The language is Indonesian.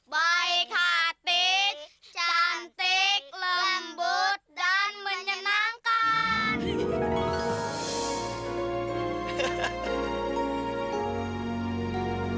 baik hati cantik lembut dan menyenangkan